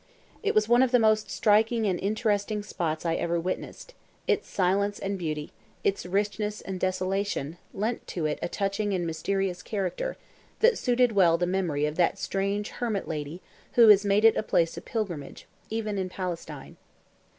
It was one of the most striking and interesting spots I ever witnessed: its silence and beauty, its richness and desolation, lent to it a touching and mysterious character, that suited well the memory of that strange hermit lady who has made it a place of pilgrimage, even in Palestine.